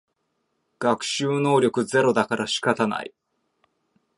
学習能力ゼロだから仕方ない